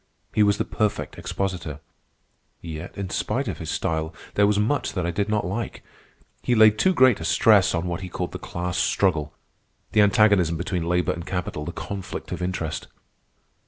He was the perfect expositor. Yet, in spite of his style, there was much that I did not like. He laid too great stress on what he called the class struggle, the antagonism between labor and capital, the conflict of interest.